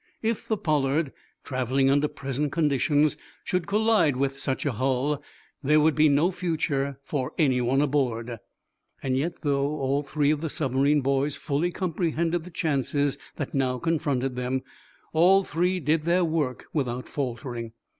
If the "Pollard," traveling under present conditions, should collide with such a hull, there would be no future for anyone aboard. Yet, though all three of the submarine boys fully comprehended the chances that now confronted them, all three did their work without faltering.